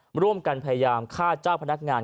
ร่วมกันพยายามฆ่าเจ้าพนักงาน